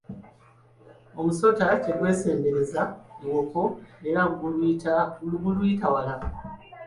Omusota tegwesembereza luwoko era guluyita wala.